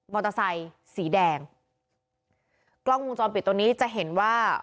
เตอร์ไซค์สีแดงกล้องวงจรปิดตรงนี้จะเห็นว่า